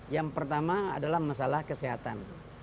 yang pertama adalah masalah kesehatan